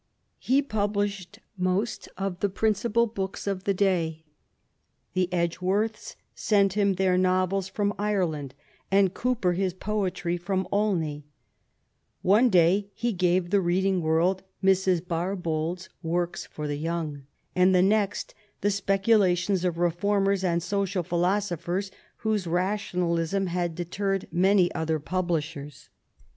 He published most of the principal books of the day. The Edgeworths sent him their novels from Ireland, and Cowper his poetry from Olney : one day he gave the reading world Mrs. Sarbauld's works for the young, and the next, the speculations of reformers and social philosophers whose rationalism had deterred many other publishers.